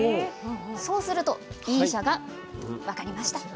そうするとＢ社が「分かりました。